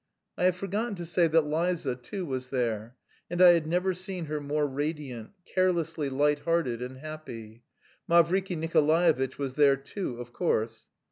I have forgotten to say that Liza too was there, and I had never seen her more radiant, carelessly light hearted, and happy. Mavriky Nikolaevitch was there too, of course.